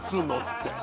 って。